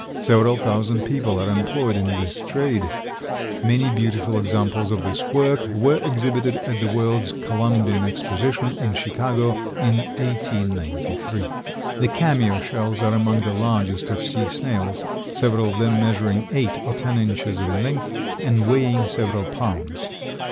Several thousand people are employed in this trade. Many beautiful examples of this work were exhibited at the World's Columbian Exposition, in Chicago, in 1893. The cameo shells are among the largest of sea snails, several of them measuring eight or ten inches in length and weighing several pounds.